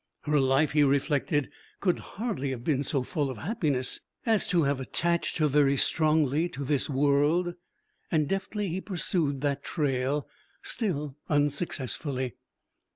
Her life, he reflected, could hardly have been so full of happiness as to have attached her very strongly to this world, and deftly he pursued that trail, still unsuccessfully.